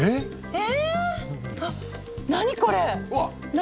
え？